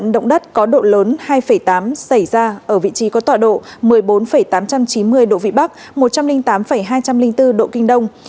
động đất có độ lớn hai tám xảy ra ở vị trí có tọa độ một mươi bốn tám trăm chín mươi độ vị bắc một trăm linh tám hai trăm linh bốn độ kinh đông